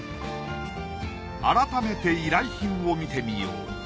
改めて依頼品を見てみよう。